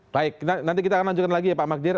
baik nanti kita akan lanjutkan lagi ya pak magdir